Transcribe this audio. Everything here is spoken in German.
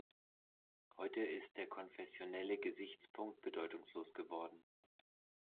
Heute ist der konfessionelle Gesichtspunkt bedeutungslos geworden.